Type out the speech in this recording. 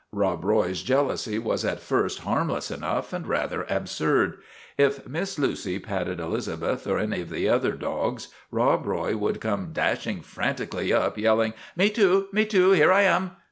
" Rob Roy's jealousy was at first harmless enough, and rather absurd. If Miss Lucy patted Elizabeth or any of the other dogs, Rob Roy would come dash ing frantically up, yelling ' Me too, me too ! Here I am